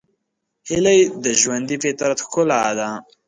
هیلۍ د ژوندي فطرت ښکلا ده